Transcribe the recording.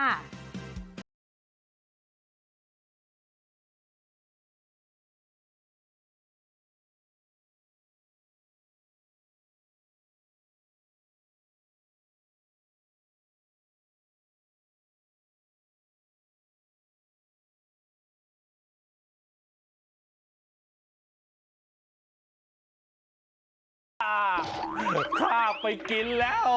อ่าข้าไปกินแล้ว